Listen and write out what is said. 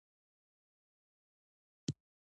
افغانستان تر هغو نه ابادیږي، ترڅو ملي یووالی رښتینی نشي.